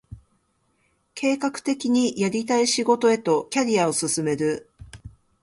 計画的にやりたい仕事へとキャリアを進める